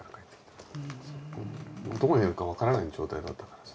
どこにいるか分からない状態だったからさ。